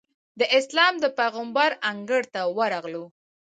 د اسلام د پېغمبر انګړ ته ورغلو.